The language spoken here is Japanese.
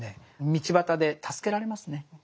道端で助けられますね。